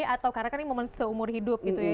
atau karena kan ini momen seumur hidup gitu ya